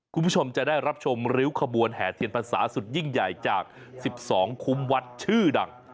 คุณผู้ชมจะได้รับชมริ้วขบวนแห่เทียนพรรษาสุดยิ่งใหญ่จาก๑๒คุ้มวัดชื่อดัง